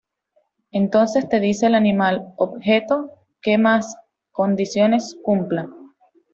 Entonces te dice el animal, objeto... que más condiciones cumpla.